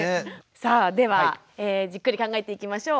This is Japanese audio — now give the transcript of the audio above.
さあではじっくり考えていきましょう。